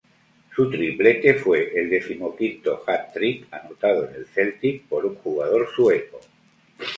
Su triplete fue el decimoquinto hat-trick anotado en el Celtic por un jugador sueco.